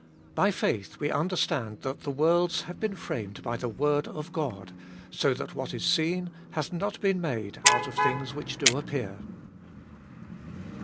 3. By faith we understand that the worlds have been framed by the word of God, so that what is seen hath not been made out of things which do appear.